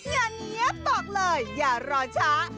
อย่าเนี๊ยบตอบเลยอย่ารอช้า